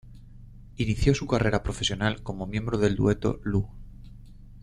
Inició su carrera profesional como miembro del dueto Lu.